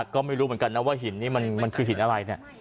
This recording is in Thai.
ก็ไม่รู้เหมือนกันนะว่าหินนี้มันคือหินอะไรเนี่ย